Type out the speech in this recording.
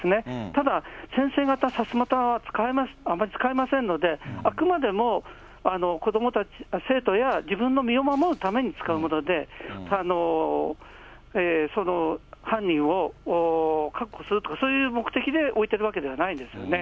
ただ、先生方、さすまたはあまり使えませんので、あくまでも、子どもたち、生徒や、自分の身を守るために使うもので、その犯人を確保するとか、そういう目的で置いてるわけではないんですよね。